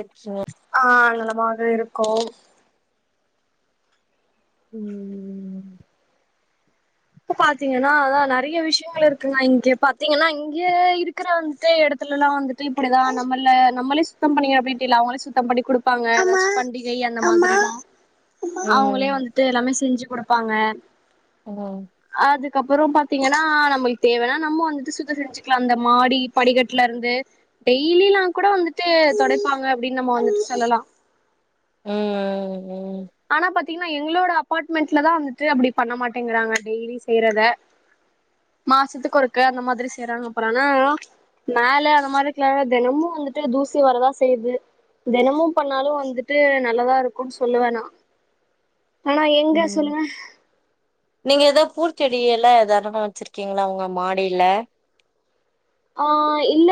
எட்சோ ஆ நலமாக இருக்கோ உம் இப்ப பாத்தீங்கன்னா அதா நெறைய விஷயங்கள் இருக்குங்க இங்க பாத்தீங்கன்னா இங்க இருக்கிற வந்துட்டு எடத்துல எல்லாம் வந்துட்டு இப்படிதா நம்மள நம்மளே சுத்தம் பண்ணீங்க அப்டின்டு இல்ல அவங்களே சுத்த பண்ணி குடுப்பாங்க பண்டிகை அந்த மாரிலா அவங்களே ம் வந்துட்டு எல்லாமே செஞ்சு குடுப்பாங்க ம் அதுக்கப்பறோ பாத் த்தீங்கனா நம்மளுக் தேவனா நம்ம வந்துட்டு சுத்த செஞ்சுக்கலா இந்த மாடி படிக்கட்டுல ருந்து டெய்லி ல்லா கூட வந்துட்டு தொடப்பாங்க அப்டின் நம்ம வந்துட் சொல்லலா ஹு ம் ம் த்தீங்கனா எங்ளோட அபாட்மெண்ட்லதா வந்துட்டு அப்டி பண்ண மாட்டேங்றாங்க டெய்லி செய்றத மாசத்துக் கொருக்க அந்த மாதிரி செய்றாங்க அப்றோனா மேல அந்த மாரிக்குலால தெனமு வந்துட்டு தூசி வரதா செய்து தெனமு பண்ணாலு வந்துட்டு நல்லதாருக்குன் சொல்லுவே நா ஆனா எங்க ம் சொல்லுங்க நீங்க எதோ பூச்செடி எல்லா ஏதார்னமா வச்சிருக்கிங்ளா ஒங்க மாடில்ல ஆஹ் இல்ல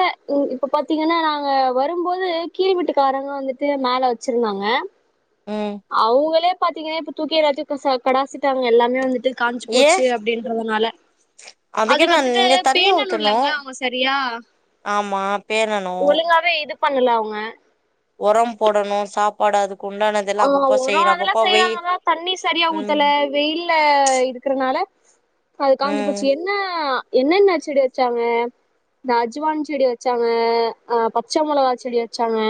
இப்ப பாத்திங்கனா நாங்க வரும்போது கீழ்வீட்டுக்காரங்க வந்துட்டு மேல வச்சிருந்தாங்க ம் அவுங்களே பாத்திங்கினா இப்ப தூக்கி எல்லாத்யு கச கடாசிட்டாங்க எல்லாமே வந்துட்டு காஞ்சு ஏ போச்சு அப்டின்றதனால அதுக்கே நா அதுக்கந்துட்டு நீங்க தண்ணி ஊத்தணு பேணனுல்லங்க அவங்க சரியா ஆமா பேணணு ஒழுங்காவே இது பண்ணுல அவுங்க ஒரம் போடணு சாப்பாடு அதுக் ஆஹ் உரோ அதெல்லா செய்யறாங்கதா தண்ணி சரியா ம் ஊத்தல வெயில்ல இருக்றனால அது ம் காஞ்சிபொச்சி என்ன என்னென்ன செடி வச்சாங்க ந்த அஜ்வான் செடி வச்சாங்க அ பச்ச மொளகா செடி வச்சாங்க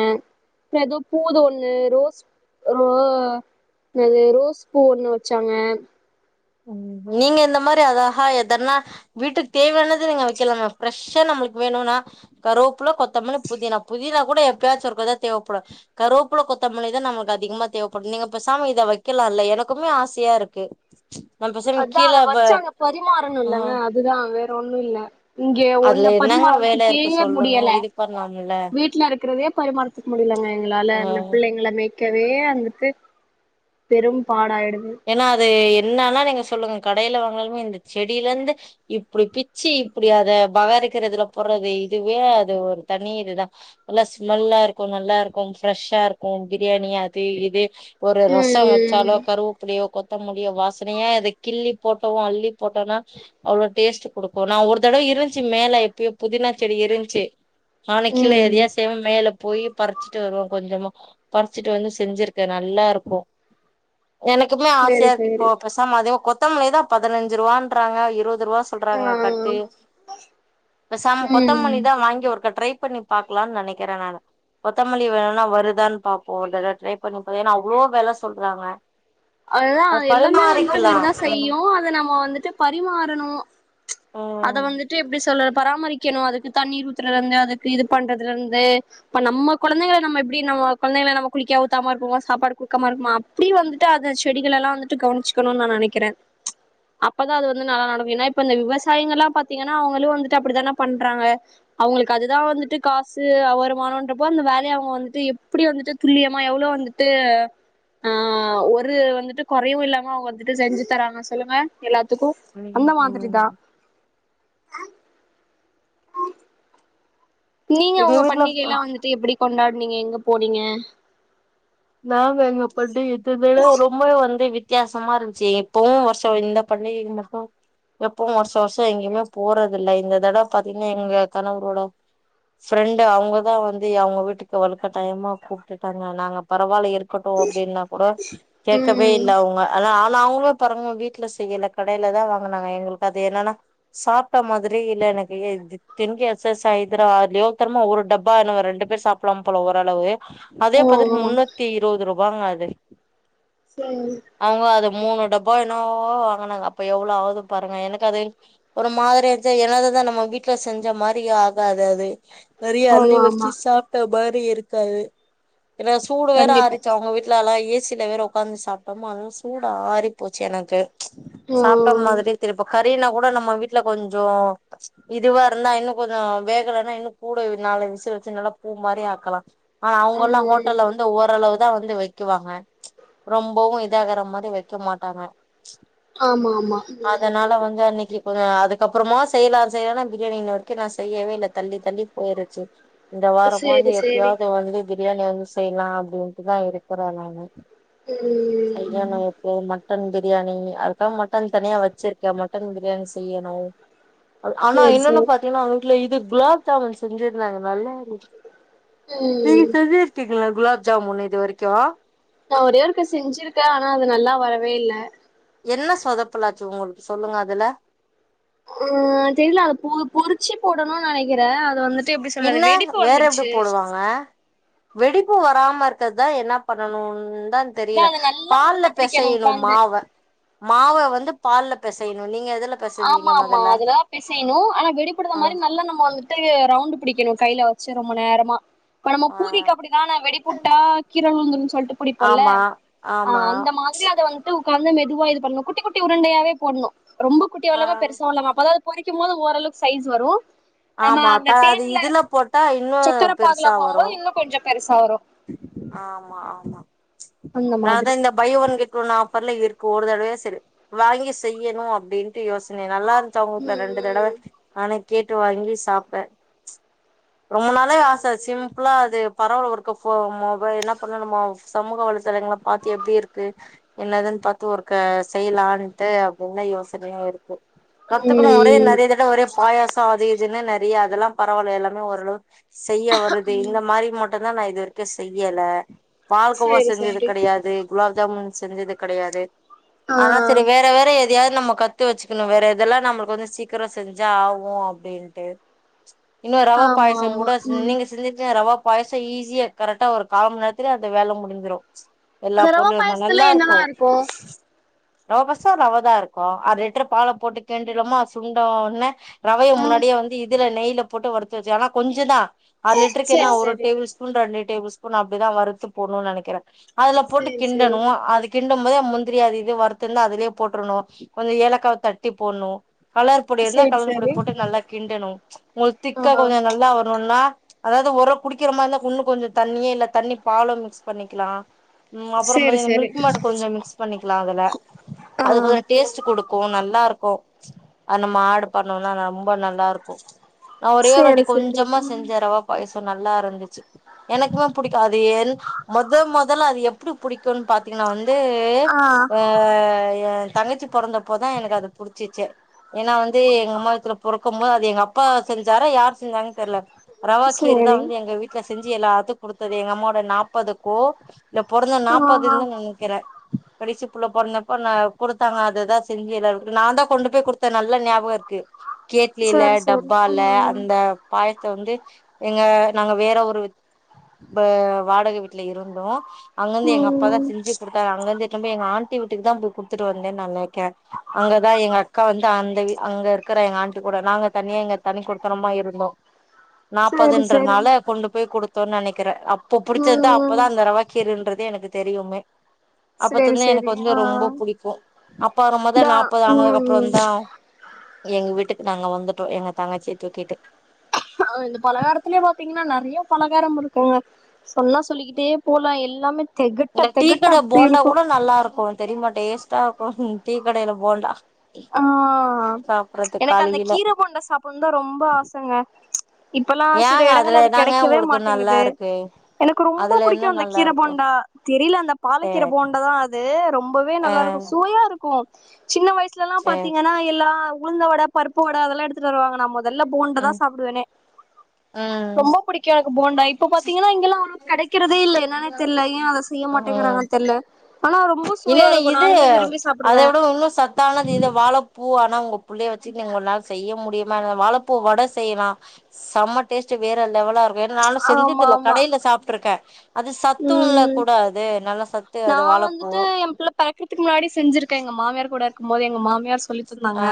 எதோ பூது ஒண்ணு ரோஸ் ரோ ன்னது ரோஸ் பூ ஒண்ணு வச்சாங்க உம் நீங்க இந்த மாரி அதகா எதன்னா வீட்டுக் தேவயானத நீங்க வக்கலமா ஃப்ரெஷ்ஷா நம்ளுக் வேணுனா கருவப்புல கொத்தமல்லி புதினா புதினா குட எப்பயாச்சு ஒருக்கதா தேவப்படு கருவப்புல கொத்தமல்லி தா நம்ளுக் அதிகமா தேவப்படு நீங்கப்பெசாம இத வக்கலால்ல எனக்குமே ஆசயாருக்கு அதான் அத வச்சா அங்க ஆ பரிமாறணுல்லங்க அதுதா வேற ஒண்ணு இல்ல இங்க அதுல ஒன்ன என்னங்க வேல பரிமார்றதுக்கே இருக்கு சொல்லுங்க முடியல இது பண்லாம்ல வீட்லருக்கிறதே பரிமாறத்துக் முடிலங்க எங்களால இந்த ஆ பிள்ளங்கள மே க்கவே வந்துட்டு பெரும்பாடாய் ஏனா அது என்னால்லா நீங்க சொல்லுங்க கடயில வாங்னாலுமே இந்த செடியிலந்து இப்டி பிச்சி இப்டி அத பகாரிக்கிறதுல போட்றது இதுவே அது ஒரு தனி இதுதா நல்லா ஸ்மெல்லாருக்கு நல்லாருக்கு ஃப்ரெஷ்ஷாருக்கு பிரியாணி அது இது ஒரு ரசோ வச்சாலோ ம் கருவப் கொத்தமலியோ வாசனயா இத கிள்ளி போட்டோ அள்ளி போட்டோனா அவ்ளோ டேஸ்ட் குடுக்கு நா ஒரு தடவ இருந்ச்சி மேல எப்யோ புதினா செடி இருந்ச்சி ஆனக்கிழ ம் ம் எதயா செய்வ மேல போயி பறிச்சிட்டு வருவோ கொஞ்சமா பறிச்சிட்டு வந்து செஞ்சிருக்கே நல்லா இருக்கூ எனக்குமே சேரி ஆசயாருக்கு இப்போ சேரி பெசாம அதுவு கொத் த்தமலிதா பதினஞ்சி ரூவான்றாங்க இருவத் து ரூவா ஆ சொல்றாங்க கட்டு சம் கொத்தமல்லி ம் தா வாங்கி ஒருக்கா ட்ரை பண்ணி பாக்கலான் நெனைக்கிறே நானு கொத்தமல்லி வேனா வருதான் பாப்போ அத ட்ரை பண்ணி ஏனா அவ்ளோ வெல சொல்றாங்க அதுதா அது எல்லாமே வந்துட்டு பரிமாறிக்கலா வருதா ம் செய்யூ அத நம்ம வந்துட்டு பர் ரிமாறணு அத வந்துட்டு எப்டி சொல்ல பராமரிக்கணு அதுக்கு தண்ணீர் ஊத்துறலருந்து அதுக்கு இது பண்றதுலருந்து இப்ப நம்ம கொழந்தங்கள நம்ம எப்டி நம்ம கொழந்தங்கள நம்ம குளிக்க ஊத்தாமருப்போமா சாப்பாடு குடுக்காம இருப்மா அப்டி வந்துட்டு அத செடிகளல்லா வந்துட்டு கவ்னிச்சிக்கணூன் நா நெனைக்கிற அப்பதா அது வந்து நல்லா நடக்கு ஏனா இப்ப இந்த விவஸ் சாயிங்கல்லா பாத்திங்கனா அவுங்களு வந்துட்டு அப்டிதான பண்றாங்க அவுங்களுக் அதுதா வந்துட்டு காசு அ வருமானன்றப்போ அந்த வேலய அவுங்க வந்துட்டு எப்டி வந்துட்டு துல்லியமா எவ்ளோ வந்துட்டு ஆஹ் ஒரு வந்துட்டு கொறயுல்லாம அவுங்க வந்துட்டு செஞ்சுதராங்க சொல்லுங்க எல்லாத் த்துக்கு ம் ம் அந்த மாதிரி ம் தா நீங்க எங்க உங்க வீட்ல ப பண்டிகைல்லா வந்துட்டு எப்டி கொண்டாட் நீங்க எங்க போறிங்க நாங்கெங்கப்படி இந்ததடவ ரொம்பவே வந்து விட் வித்தியாசமாயிருந்ச்சு இப்பவு வருஷொ இந்த பண்டிகைக்கு மட்டும் எப்பவும் வருஷ்ஷோ வருஷ்ஷோ எங்கயுமே போறதில்லை இந்த தடவை பாத்திங்னா எங்க கணவரோட ஃப்ரெண்டு அவங்கதான் வந்து அவங்க வீட்டுக்கு வழுக்கட்டாயமா கூப்டுட்டாங்க நாங்க பரவால்ல இருக் இருக்கட்டும் அப்டின்னாகூட கேட்கவே இல்ல ம் அவங்க அதான்னா நாங்களும் பாருங்க வீட்ல செய்யல கடையில தான் வாங்கினாங்க எங்களுக்கு அது என்னன்னா சாப்பிட்ட மாதிரியே இல்ல எனக்கு [unintelligible] திரும்ப ஒரு டப்பா ரெண்டு பேர் சாப்டலாம் போல ஓரளவு அதே ம் பதிரிமுன்ன [unintelligible] அது செரிஙக அவங்க அது மூணு டப்பா என்னோவோ வாங்கினாங்க அப்ப எவ்ளோ ஆகுது பாருங்க எனக்கு அது ஒருமாரி இருன்ச்சு எனதுதான் நம்ம வீட்ல செஞ்சமாரி ஆகாது அது கறிய ஆமா அள்ளிவச்சி ஆமா சாப்ட்டபாரு இருக்காது என்னா சூடு வேற கண்டிப்பா ஆறிச்சா அவங்க வீட்ல எல்லாயி ஏசியில வேற உட்காந்து சாப்ட்டோமா அதுல சூடு ஆறிப்போச்சு எனக்கு ம் சாப்டமாதிரி திருப்பொக்கார் அப்படியென்னாகூட நம்ம வீட்ல கொஞ்ச இதுவா இருந்தா இன்னும் கொஞ்ச வேகலன்னா இன்னும் கூட நாலு விசில் வச்சு நல்லா பூ மாரி ஆக்கலாம் ஆனா அவங்கல்லாம் ஹோ ம் ஹோட்டல்ல வந்து ஓரளவு நான் வந்து வக்குவாங்க ரொம்பவும் இதாகர மாரி வக்கமாட்டாங்க ஆமா ஆமா கொஞ்ச அதுக்கப்புறமா செய்யலா செய்யலான் பிரியாணி இன்ன வரைக்கும் நான் செய்யவே இல்ல தள்ளி தள்ளி போய்ருச்சு இந்த வாரமாது சேரி சேரி எப்டியாது வந்து பிரியாணிவந்து செய்யலாம் அப்டின்ட்டுதான் இருக்கற நானும் உம் மட்டன் பிரியாணி அதுக்காக மட்டன் தனியா வச்சிருக்கே மட்டன் பிரியாணி செய்யணும் ஆனா சேரி இன்னொன்னு சேரி பாத்தீங்கன்னா அவ்ங்க வீட்ல இது குலாப்ஜாமன் செஞ்சிருந்தாங்க நல்லாயிருந்துச்சு உம் இந்த குலாப்ஜாமுன் இது வரைக்கும் நான் ஒரே ஒருக்க செஞ்சிருக்கேன் ஆனா அது நல்லா வரவே இல்ல என்ன சொதப்பலாச்சு உங்களுக்கு சொல்லுங்க அதுல ஆஹ் தெர்லா அத பூ பொறிச்சி போடணுன் நெனைக்கிறே அத வந்துட் என்ன வேற எப்டி போடுவாங்க வெடி ப்பு வராம இருக்றதுதா என்னா பண்ணனு இதா தெரியல அத நல்லா பால்ல உருண்ட பிடிக்கணு பெசையணு உக்காந்து மாவ மாவ வந் து பால்ல பெசயணு நீங்க அத ஆமா ஆமா அதுலதா பெசையணு ஆனா வெடிப்படாத ஆ மாரி நல்லா நம்ப வந்துட்டு ரவுண்டு பிடிக்கணு கையில வெச்சி ரொம்ப நேரமா இப்ப நம்ப ஆ பூரிக் அப்டிதானா வெடிப்புட்டா கீரல் உலுந்துருன்னு சொல்ட்டு புடிப்பல்ல ஆமா ஆமா ஆஹ் அந்த மாதிரி அத வந்துட்டு பால்ல மெதுவா இது பண்ணு குட்டி குட்டி உருண்டையாவே போடணு ரொம்ப குட்டியாவு ஆ இல்லாமா பெருசாவு இல்லாமா அப்பதா அது பொறிக்கும்போது ஓரளவுக்கு சைஸ் வரு நம்ம ஆமா அப்ப அந்த அது தேன்ல இதுல போட்டா இன்னு சக்கர பாகுல பெருசா வரு போகும்போது இன்னு கொஞ்சோ பெருசா வரு ஆமா ஆமா ம்ச் அந்த நா தா மாதிரி இந்த பை ஒன் கெட் ஒன் ஆ பொர்ளை இருக்கு ஒரு தடவயா சரி வாங்கி செய்யணு அப்டின்ட்டு யோசன நல்லாரு ம் [unintelligible] ரெண்டு தடவ ம் நானே கேட்டு வாங்கி சாப்பே ம்ச் ரொம்ப நாளா ஆச சிம்ப்ளா அது பரவால ஒரு க்கு ஃபோ மொபைல் என்னா பண்ணனு நம்ப சமூக வலைத்தளங்கள பாத்து எப்டி இருக்கு என்னதுன்னு பாத்து ஒருக்க செயலான்ட்டு அப்டின்னு யோசனையா இருக்கு கத்துக்கணு ம் ஒரே நெறைய தடவ ஒரே பாயாசோ அது இது இதுன்னு நெறையா அதெல்லா பரவால எல்லாமே ஓரளவு செய்ய வருது ம் இந்த மாரி மட்டுந் அதா நா இது வரைக்கு செய்யல பால்கோவா சேரி செஞ்சது சேரி கெடையாது குலாப் ஜாமூன் செஞ்சது கெடையாது ஆ ஆனா செரி வேற வேற எதையாத் நம்ப கத்து வெச்சுக்கணு வேற எதெல்லா நம்ளுக்கு வந்து சீக்ரோ செஞ்ஜா ஆகு அப்டின்ட்டு இன்னு ரவா ஆமா பாயாசங் ஆமா கூட ம் நீங்க செஞ்சுருக்கிங்ளா ரவா பாயாச ஈஸியா கரெக்டா ஒரு காமண் நேரத்துலே அந்த வேல முடிஞ்சிரு எல்லா அந்த ரவா பொருளு இருந்தா பாயாஷ்த்துல என்னவா இருக்கு ரவபாஷ்தா ரவதா இருக்கு அரை லிட்டர் பால போட்டு கிண்டிலோமா சுண்டோனே ரவைய ஆ முன்னாடியே வந்து இதுல நெய் ல போட்டு வறுத்து வச்சு ஆனா கொஞ்ச தான் அர லிட்டருக்கு என்னா சேரி ஒரு சேரி டேபுள்ஸ்பூன் ரண்டு டேபிள் ஸ்பூன் அப்டிதா வறுத்து போடுனுனு நனைக்கிற. அதுல போட்டு சேரி கிண்டனு சேரி அதுக் கிண்டும் போதே முந்திரி அது இது வரத்துந்து அதுலயே போற்றுனும் கொஞ்சம் ஏலக்காவ தட்டி போடுனும் கலர் பொடி இருந்தா சேரி கலர் பொடி சேரி போட்டு நல்லா கிண்டணும் உங்களுக்கு திக்கா ஆ கொஞ்சம் நல்லா வரணும்னா அதாவது ஒரு குடிக்கிற மாறி இருந்தா இன்னும் கொஞ்சம் தண்ணியே இல்ல தண்ணி பாலும் மிக்ஸ் பண்ணிக்கலா உ அப்புறம் சேரி [unintelligible] சேரி மில்க் மெய்ட் கொஞ்சம் மிக்ஸ் பண்ணிக்கலா அதுல ஆ அது கொஞ்சம் டேஸ்ட் கொடுக்கும் நல்லா இருக்கும் அந்த மாடு பண்ணோம்னா ரொம்ப நல்லா இருக்கும் நா ஒரே ஒருவாட்டி சேரி சேரி கொஞ்சமா செஞ்ச ரவா பாயாசம் நல்லா இருந்துச்சு எனக்குமே புடிக்கும் அது ஏன் முத முதல்ல அது எப் டி பிடிக்கும்னு பாத்தீங்கன்னா வந் தே ஆ யெ தங்கச்சி பொறந்தப்போதான் எனக்கு அது புடிச்சிச்சு ஏன்னா வந்து எங்க அம்மா வைத்துல பொறக்கும் போது அது எங்க அப்பா செஞ்சாரா யாரும் செஞ்சாங்கன்னு தெருல ர கீர் தா சேரி வந்து எங்க வீட்ல செஞ்சு எல்லாத்துக்கும் கொடுத்தது எங்க அம்மாவோட நாற்பதுக்கோ இவ பொறந்து ஆஹா நாப்பதுன்னு நினைக்கிறேன் கடைசு புள்ள பொருந்தப்ப நா கொடுத்தாங்க அதுதான் செஞ்சு எல்லாருக்கு நான் தான் கொண்டு போய் கொடுத்தேன் நல்ல ஞாபகம் இருக்கு கேட்லில சேரி சேரி டப்பால ம் அந்த பாய வந்து எங்க நாங்க வேற ஒரு ஒரு வாடகை வீட்ல இருந்தோம் அங்க இருந்து எங்க அப்பாதா ம் செஞ்சு கொடுத்தாங்க அங்கந்து எட்டுக்குனு போய் எங்க ஆண்டி வீக்கு தான் போய் குடு த்துட்டு வந்தே நல்லா இருக்கேன் அங்கதான் எங்க அக்கா வந்து அந்த அங்க இருக்கற எங்க ஆன்ண்டி கூட நாங்க தனியா எங்க தனி கொடுத்தனமா இருந்தோம் சேரி முப்பதுன்ற சேரி நால கொண்டு போய் கொடுத் து நினைக்கிறேன் அப்ப பிடிச்சதுதான் ம் அப்பதான் அந்த ரவா கீறுன்றதே எனக்கு தெரியுமே சேரி அப்பத்திருந்தே சேரி எனக்கு வந்து ஆ ரொம்ப பிடிக்கும் அப்பா ஆகும்போதே தா நாப்பது ஆனதுக்கு ம் அப்புறம் தான் எங்க வீட்டுக்கு நாங்க வந் தோம் எங்க தங்கச்சி தூக்கிட்டு [unintelligible] பலகாரத்துலயே பாத்தீங்கன்னா நெறைய பலகாரம் இருக்குங்க சொன்னா சொல்லிகிட்டே போலா எல் லாமே இந்த டீக்கடை போண்டா கூட நல்லா இருக்கும் தெரியுமா டேஸ்ட் ஆக்கும் டீ கடையிலே போண்டா ஆஹ் சாப்புறது எனக்கு அந்த காலையில கீரே போண்ட சாப்பிடணு தா ரொம்ப ஆசங்க இப்பெல்லா சில ஏங்க எடங்கள்ள அதுல அது என்னாங்க கெடைக்கவே உங்களுக்கு நல்லா மாட்டேங்குது இருக்கு எனக்கு ரொம்ப அதுல பிடிக்கு என்ன அந்த நல்லா கீரை இருக்கு போண்டா தெரியல அந்த பாலக்கீரை சேர் போண்ட தா அது ரொம்பவே ஆ நல்லா இருக்கு சுவையா இருக்கு சின்ன வயசு வயசுல எல்லா சேர் பாத்தீங்கன்னா எல்லா உளுந்த வடை பருப்புவடை அதெல்லா எடுத்துட்டு வருவாங்க நமக் அதெல்லா போண்ட தா ம் சாப்பிடுவோனே ம் ரொம்ப பிடிக்கு எனக் போண்டா இப்ப பாத்தீங்கனா இங்கெல்லா அவ்ளவு கெடைக்கிறதே இல்லே என்னானே தெரில ஏன் அதை செய்ய ம் மாட்டேங்கிறாங்கன்னு தெரில ஆனா ரொம்ப சுவையா இன்னொன்னு இருக்கு நானுமே விரும்பி சாப்பிடுவே த்தானது இந்த வாழப்பூ பூ ஆனா உங்க பிள்ளைய வச்சு நீங்க உங்களாள செய்ய முடியுமா என்னனு வாழப்பூ வடே செய்யலா செம்ம டேஸ்ட் வேற லெவலா இருக்கு வேற நானு செஞ்சது ஆமா இல்லே ஆமா கடையில சாப்ட்டுருக்கே அது சத்து உல்ல ம் கூட அது நல்ல நா வந்துட்டு என் பிள்ள பாக்கிறதுக்கு முன்னாடி செஞ்சிருக்க எங்க மாமியார் கூட இருக்கும் போது எங்க மாமி யார் ஆ சொல்லிதந்தாங்க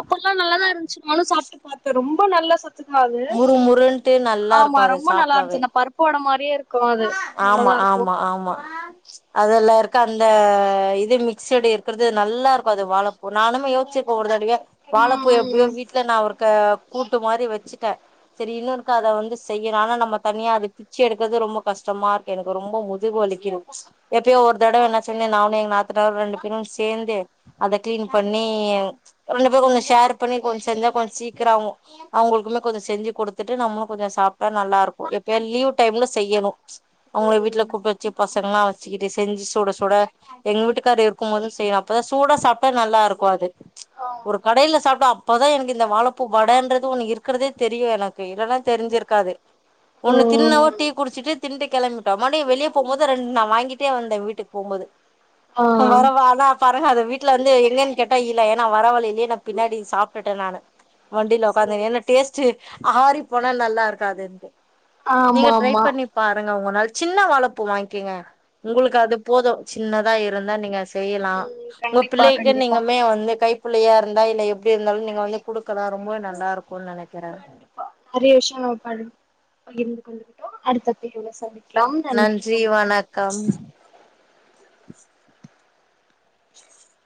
அப்பெல்லா நல்லாத இருந்துச்சு நானு சாப்பிட்டு பாத்தே ரொம்ப நல்ல சத் து கா அது முறு முறுன்ட்டு நல்லா ஆமா இருக்கு அது ரொம்ப நல்ல சாப்டவே இருந்துச் நா பருப்பு வட மாரி வேர் ஆமா ஆமா ஆமா அதுல்லே இருக்க அந்த ஆ இது மிக்சுடு இருக்கிறது நல்லா இருக்கு அது வாழப்பூ நானுமே யோசிச்சிருக் ஒரு தடவே வாழப்பூ எப்புடியோ ம் வீட்ல நா ஒருக்க கூட்டு மாரி வச்சுட்டே சேரி இன்னொருக்க அத வந்து செய்யணு ஆனா நம்ம தனியா அத பிச்சு எடுக்குறது ரொம்ப கஷ்டமா இருக்கு எனக்கு ரொம்ப முதுகு வலிக்கிம் எப்பயோ ஒரு தடவ என்ன சென்னே நானு எங்க நாத்துனாரு ரெண்டு பேரு சேர்ந்து அத கிளீன் பண்ணி ரெண்டு பேரு கொஞ்ச ஷேர் பண்ணி கொஞ்ச செஞ்சா கொஞ்ச சீக்கிர ஆவும் அவங்களுக்குமே கொஞ்ச செஞ்சு கொடுத்துட்டு நம்மளு கொஞ்ச சாப்ட்டா நல்லா இருக்கு எப்பேயே லீவ் டைம்ல செய்யணு உங்களே வீட்டுல ம் கூப்ட்டு வெச்சு பசங்களல்லா வச் சிடே செஞ்சு சூட சூட எங்க வீட்டுக்காரரு இருக்கு போது செய்யணு அப்பத சூட சாப்ட்ட நல்லா இருக்கு அது ம் ஒரு கடையில சாப்பிட்டா அப்பதா எனக்கு இந்த வாழப்பூ வடே ன்றது ஒண்ணு இருக்குறதே தெரியு எனக்கு இல்லேன்னா தெரிஞ்சிருக்காது ஒண்ணு தின்ன ஓட் ம் டீ குடுசுட்டு தின்ட்டு கிளம்பிட்டோ மடி வெளிய போம் போது ரெண்டு நா வாங்கிட்டே வந்த வீட்டுக் போம்போது ஆ ஹ வரவா அல்லா பருக அத விட் ட்டுல வந்து எங்கன்னு கேட்டா இல்ல ஏன்னா வரவாலில்லே நா பின்னாடி சாப்டுட்ட நான்னு வண்டியில உட்காந்து சரி என்ன டேஸ்ட்டு ஹாரி பொனல் நல்லா இருக்காதுன்ட்டு ஆமாம்மா ங்க உங்கனால சின்ன வாழப்பூ வாய்ங்கிங்க உங்களுக்கு அது போது சின்னதா இருந்தா நீங்க செய்யலா ம் உங்க கண்டிப்பா பிள்ளைக்கு கண்டிப்பா நீங்கமே வந்து கை புள்ளையா இருந்தா இல்ல எப்டி இருந்தாலு நீங்க வந்து குடுக்கலா ரொம்ப நல்லா இருக்குனு நெனக் [unintelligible] பகிர்ந்து கண்டுட்டோ அடுத்த பிரிவுல சந்தி லாம் நன்றி வணக்கம்